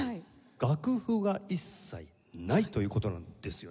楽譜が一切ないという事なんですよね？